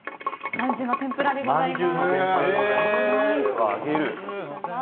まんじゅうの天ぷらでございます。